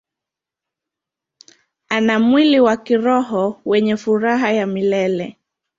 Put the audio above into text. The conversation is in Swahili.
Ana mwili wa kiroho wenye furaha ya milele.